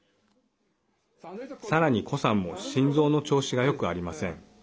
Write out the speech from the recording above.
さらに顧さんも心臓の調子がよくありません。